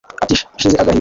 Ati: Nshize agahinda